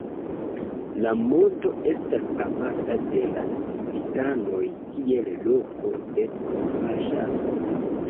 La monto estas amata de la civitanoj kiel loko de marŝado.